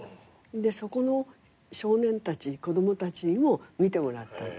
でそこの少年たち子供たちにも見てもらったんです。